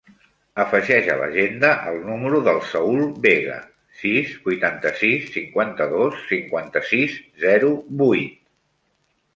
Afegeix a l'agenda el número del Saül Vega: sis, vuitanta-sis, cinquanta-dos, cinquanta-sis, zero, vuit.